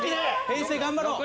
平成頑張ろう！